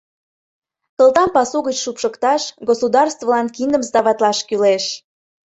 Кылтам пасу гыч шупшыкташ, государствылан киндым сдаватлаш кӱлеш.